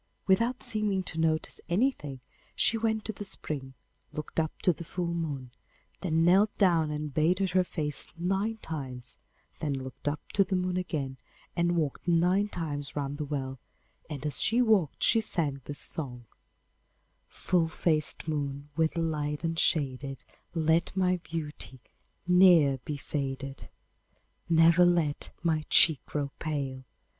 Without seeming to notice anything, she went to the spring, looked up to the full moon, then knelt down and bathed her face nine times, then looked up to the moon again and walked nine times round the well, and as she walked she sang this song: 'Full faced moon with light unshaded, Let my beauty ne'er be faded. Never let my cheek grow pale!